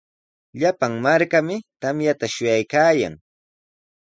Llapan markami tamyata shuyaykaayan.